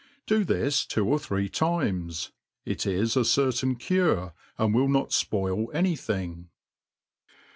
Do this two or three times : it is a certain cure, ^d will not fpaii any thing.